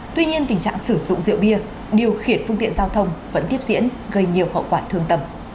tuy nhiên tình trạng sử dụng rượu bia điều khiển phương tiện giao thông vẫn tiếp diễn gây nhiều hậu quả thương tầm